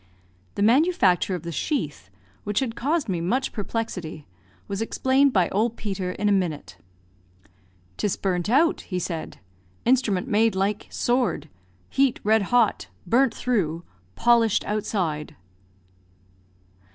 The manufacture of the sheath, which had caused me much perplexity, was explained by old Peter in a minute. "'Tis burnt out," he said. "Instrument made like sword heat red hot burnt through polished outside."